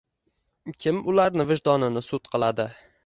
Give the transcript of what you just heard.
Kim ularni vijdonini sud qiladi?